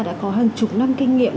đã có hàng chục năm kinh nghiệm